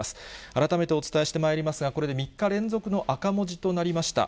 改めてお伝えしてまいりますが、これで３日連続の赤文字となりました。